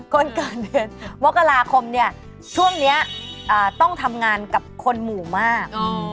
ก่อนเกิดเหตุมกราคมเนี่ยช่วงนี้ต้องทำงานกับคนหมู่มาก